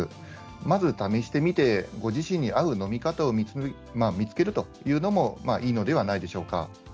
まず試してみてご自身に合う飲み方を見つけるというのもいいのではないでしょうか。